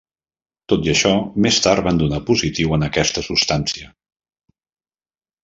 Tot i això, més tard van donar positiu en aquesta substància.